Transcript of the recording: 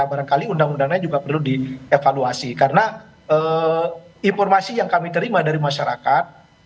barangkali undang undangnya juga perlu dievaluasi karena informasi yang kami terima dari masyarakat